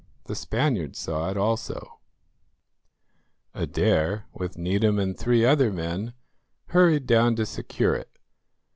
The Spaniards saw it also. Adair, with Needham and three other men, hurried down to secure it.